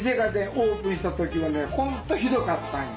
オープンした時はね本当ひどかったんよ。